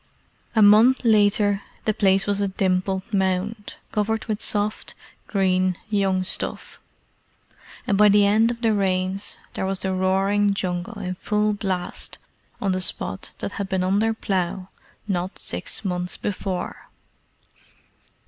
A month later the place was a dimpled mound, covered with soft, green young stuff; and by the end of the Rains there was the roaring jungle in full blast on the spot that had been under plough not six months before.